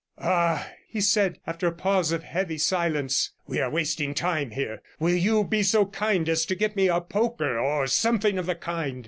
'Ah!' he said, after a pause of heavy silence, 'we are wasting time here. Will you be so kind as to get me a poker, or something of the kind?'